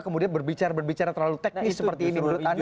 kemudian berbicara berbicara terlalu teknis seperti ini menurut anda